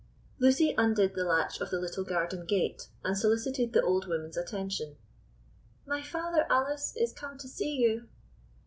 Lucy undid the latch of the little garden gate, and solicited the old woman's attention. "My father, Alice, is come to see you."